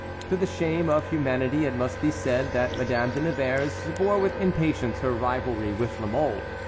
To the shame of humanity it must be said that Madame de Nevers bore with impatience her rivalry with La Mole.